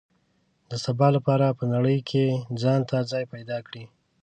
د سبا لپاره په نړۍ کې ځان ته ځای پیدا کړي.